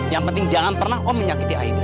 yang penting jangan pernah om menyakiti aid